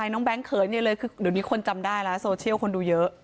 น้องแบงค์เขินเยอะเลยคือเดี๋ยวนี้คนจำได้แล้วโซเชียลคนดูเยอะ